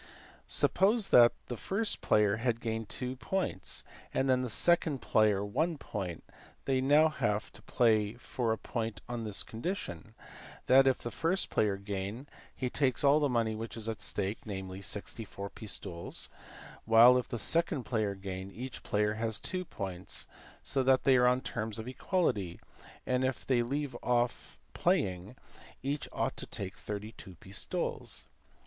Suppose that the first player has gained two points, and the second player one point ; they have now to play for a point on this condition, that, if the first player gain, he takes all the money which is at stake, namely, 64 pistoles ; while, if the second player gain, each player has two points, so that they are on terms of equality, and, if they leave off play ing, each ought to take 32 pistoles.